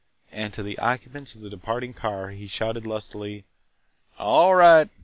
And, to the occupants of the departing car, he shouted lustily: "All right!